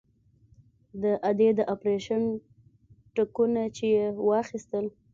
د ادې د اپرېشن ټکونه چې يې واخيستل.